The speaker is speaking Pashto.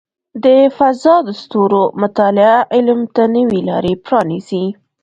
د فضاء د ستورو مطالعه علم ته نوې لارې پرانیزي.